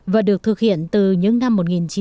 và được thực hiện từ những năm một nghìn chín trăm bảy mươi